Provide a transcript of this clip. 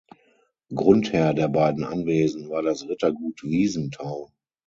Grundherr der beiden Anwesen war das Rittergut Wiesenthau.